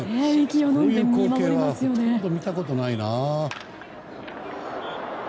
こういう光景はちょっと見たことがないな。